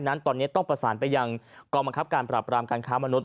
นั้นตอนนี้ต้องประสานไปยังกองบังคับการปราบรามการค้ามนุษย